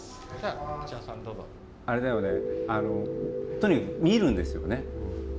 あれだよねとにかく見るんですよね？